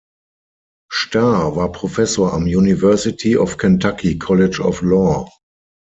Stahr war Professor am "University of Kentucky College of Law".